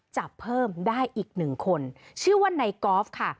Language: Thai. จับเพิ่มได้อีกหนึ่งคนชื่อว่าในกอล์ฟค่ะ